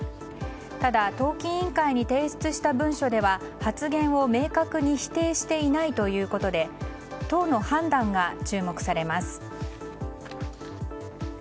ただ、党紀委員会に提出した文書では発言を明確に否定していないということで党の判断が注目されます。